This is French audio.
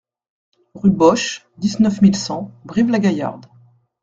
Rue Bosche, dix-neuf mille cent Brive-la-Gaillarde